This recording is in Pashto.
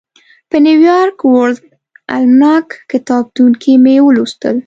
په نیویارک ورلډ الماناک کتابتون کې مې ولوستل.